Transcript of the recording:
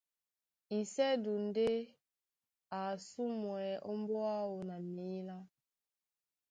Isɛ́du ndé a ásumwɛ́ ómbóá áō na mǐlá,